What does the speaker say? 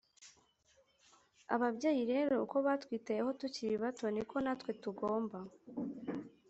ababyeyi rero uko batwitayeho tukiri abana bato, ni ko natwe tugomba